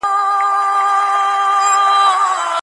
مکناتن د جګړې د ناکامۍ له امله خپه و.